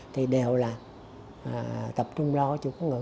thì đều là tập trung lo cho con ngữ